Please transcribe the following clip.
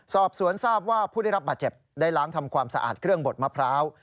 สอบสวนทราบว่าผู้ได้รับบาดเจ็บได้ล้างทำความสะอาดเครื่องบดมะพร้าว